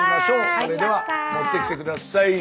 それでは持ってきて下さい。